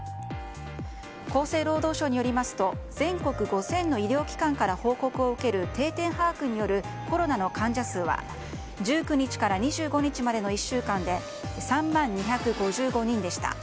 厚生労働省によりますと全国５０００の医療機関から報告を受ける定点把握によるコロナの患者数は１９日から２５日までの１週間で３万２５５人でした。